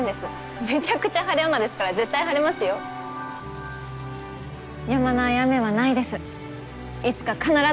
めちゃくちゃ晴れ女ですから絶対晴れますやまない雨はないです。